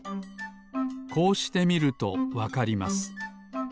こうしてみるとわかります。